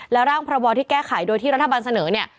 ร่างพระบอที่แก้ไขโดยที่รัฐบาลเสนอเนี่ย